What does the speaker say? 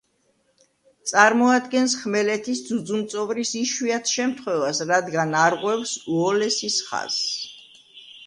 წარმოადგენს ხმელეთის ძუძუმწოვრის იშვიათ შემთხვევას, რადგან არღვევს უოლესის ხაზს.